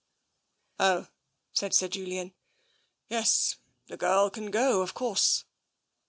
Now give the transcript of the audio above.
" Oh/' said Sir Julian. " Yes. The girl can go, of course."